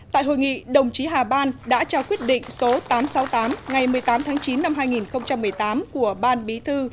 tại hội nghị đồng chí hà ban đã trao quyết định số tám trăm sáu mươi tám ngày một mươi tám tháng chín năm hai nghìn một mươi tám của ban bí thư